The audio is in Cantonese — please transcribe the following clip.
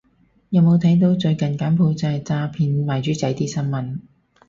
有冇睇到最近柬埔寨詐騙賣豬仔啲新聞